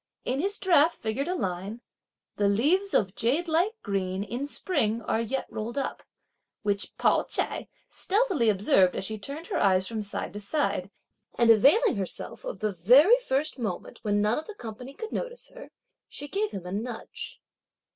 In his draft figured a line: "The (leaves) of jade like green in spring are yet rolled up," which Pao ch'ai stealthily observed as she turned her eyes from side to side; and availing herself of the very first moment, when none of the company could notice her, she gave him a nudge.